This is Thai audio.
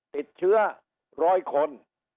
ติดเชื้อ๑๐๐คน